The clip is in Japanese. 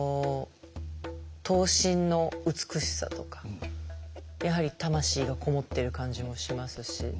刀身の美しさとかやはり魂がこもってる感じもしますし。